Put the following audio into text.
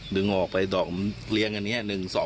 ดึงออกไปดอกมันเลี้ยงอันนี้๑๒๓